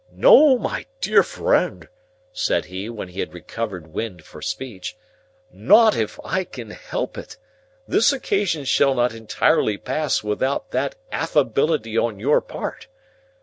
"No, my dear friend," said he, when he had recovered wind for speech. "Not if I can help it. This occasion shall not entirely pass without that affability on your part.